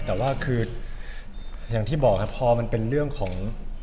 แต่ว่าคืออย่างที่บอกครับพอมันเป็นเรื่องของ